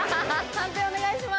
判定お願いします。